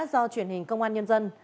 do truyền hình công an nhân dân